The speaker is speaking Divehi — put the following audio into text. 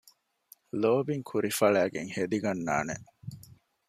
ލޯބިން ކުރި ފަޅައިގެން ހެދިގަންނާނެ